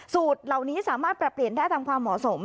สูตรเหล่านี้สามารถปรับเปลี่ยนได้ตามความเหมาะสม